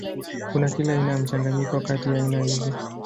Kuna kila aina ya mchanganyiko kati ya aina hizi.